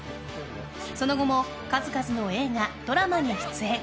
その後も数々の映画、ドラマに出演。